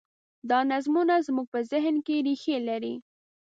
دا نظمونه زموږ په ذهن کې رېښې لري.